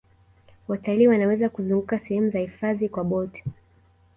watalii Wanaweza kuzunguka sehemu za hifadhi kwa boti